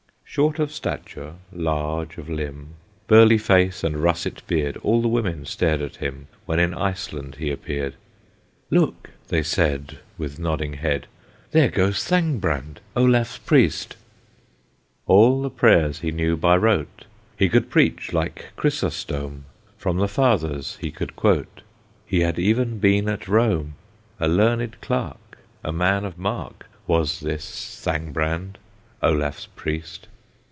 Short of stature, large of limb, Burly face and russet beard, All the women stared at him, When in Iceland he appeared. "Look!" they said, With nodding head, "There goes Thangbrand, Olaf's Priest." All the prayers he knew by rote, He could preach like Chrysostome, From the Fathers he could quote, He had even been at Rome. A learned clerk, A man of mark, Was this Thangbrand, Olaf's Priest.